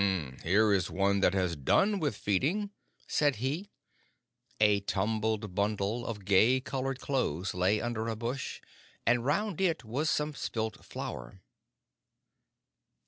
"Here is one that has done with feeding," said he. A tumbled bundle of gay colored clothes lay under a bush, and round it was some spilt flour.